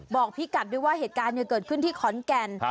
บอกพี่กัดด้วยว่าเหตุการณ์เกิดขึ้นที่ขอนแก่น